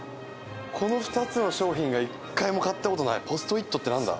この２つの商品が一回も買ったことないポストイットってなんだ？